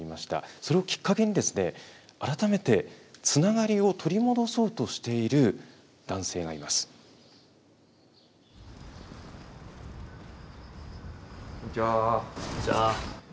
それをきっかけに、改めてつながりを取り戻そうとしている男性がこんにちは。